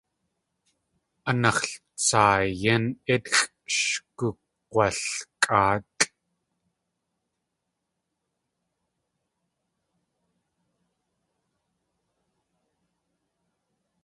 Analtsaayín ítxʼ sh gug̲walkʼáatlʼ.